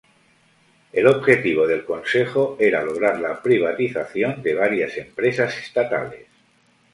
El objetivo del consejo era lograr la privatización de varias empresas estatales.